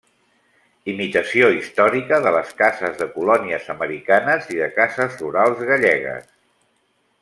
Imitació històrica de les cases de colònies americanes i de cases rurals Gallegues.